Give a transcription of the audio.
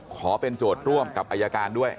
ขอเป็นโจทย์ร่วมกับอายการด้วย